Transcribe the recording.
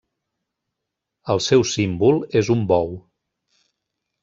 El seu símbol és un bou.